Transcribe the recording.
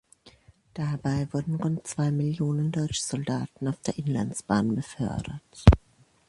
Dabei wurden rund zwei Millionen deutsche Soldaten auf der Inlandsbahn befördert.